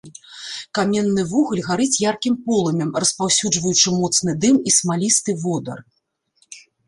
Каменны вугаль гарыць яркім полымем, распаўсюджваючы моцны дым і смалісты водар.